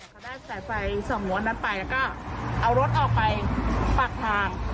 พอได้ใส่ไฟสองโหลดนั้นไปแล้วก็เอารถออกไปปากทาง